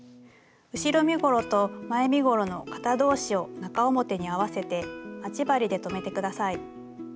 後ろ身ごろと前身ごろの肩同士を中表に合わせて待ち針で留めて下さい。